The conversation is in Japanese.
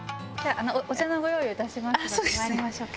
お茶のご用意をいたしますのでまいりましょうか。